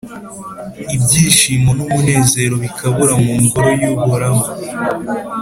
ibyishimo n’umunezero bikabura mu Ngoro y’Uhoraho?